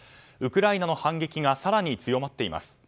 ウクライナの反撃が更に強まっています。